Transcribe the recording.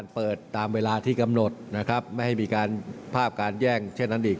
เปิดตามเวลาที่กำหนดนะครับไม่ให้มีการภาพการแย่งเช่นนั้นอีก